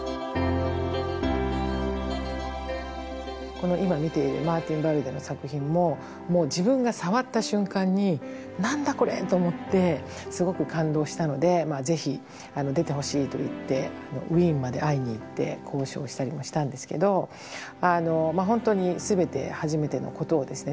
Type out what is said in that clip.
この今見ているマルティン・ヴァルデの作品ももう自分が触った瞬間に「何だこれ！？」と思ってすごく感動したのでぜひ出てほしいと言ってウィーンまで会いに行って交渉したりもしたんですけど本当に全て初めてのことをですね